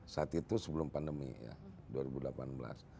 saat itu sebelum pandemi ya dua ribu delapan belas